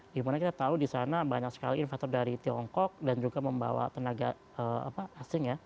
dimana kita tahu di sana banyak sekali investor dari tiongkok dan juga membawa tenaga asing ya